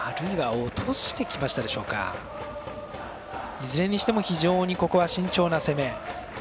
いずれにしても非常に、ここは慎重な攻め。